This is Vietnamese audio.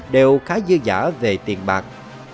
đều khá dư giả về tiền bạc